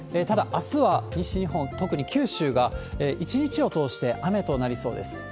ただ、あすは西日本、特に九州が一日を通して雨となりそうです。